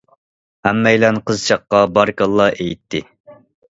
ھەممەيلەن قىزچاققا بارىكاللا ئېيتتى.